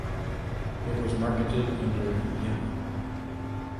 It was marketed under Yema.